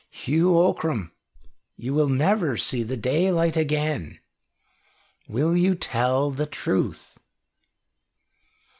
"Hugh Ockram, you will never see the daylight again. Will you tell the truth?"